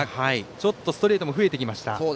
ちょっとストレートも増えてきました。